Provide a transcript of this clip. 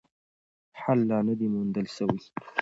حل لا نه دی موندل سوی.